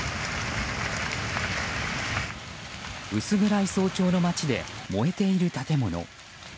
薄暗い早朝の街で燃えている建物。